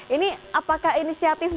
ini apakah inisiatifnya